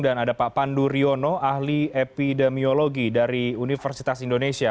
dan ada pak pandu riono ahli epidemiologi dari universitas indonesia